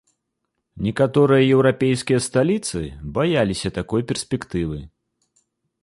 Некаторыя еўрапейскія сталіцы баяліся такой перспектывы.